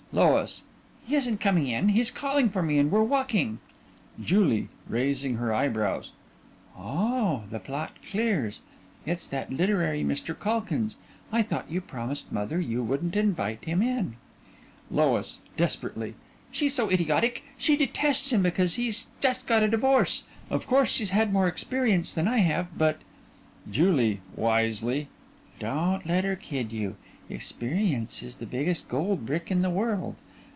LOIS: He isn't coming in. He's calling for me and we're walking. JULIE: (Raising her eyebrows) Oh, the plot clears. It's that literary Mr. Calkins. I thought you promised mother you wouldn't invite him in. LOIS: (Desperately) She's so idiotic. She detests him because he's just got a divorce. Of course she's had more experience than I have, but JULIE: (Wisely) Don't let her kid you! Experience is the biggest gold brick in the world.